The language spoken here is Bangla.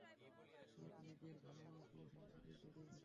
তোমাকে নিজের ভালোমানুষি মিশনের সাথে হড়িয়েছে।